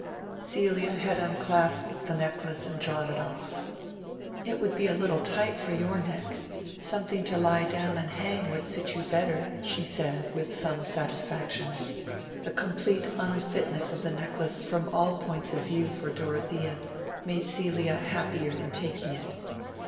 Celia had unclasped the necklace and drawn it off. "It would be a little tight for your neck; something to lie down and hang would suit you better," she said, with some satisfaction. The complete unfitness of the necklace from all points of view for Dorothea, made Celia happier in taking it.